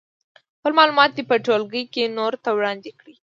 خپل معلومات دې په ټولګي کې نورو ته وړاندې کړي.